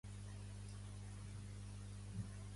A qui va substituir com a batllessa?